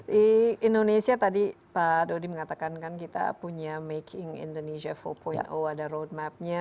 di indonesia tadi pak dodi mengatakan kan kita punya making indonesia empat ada roadmapnya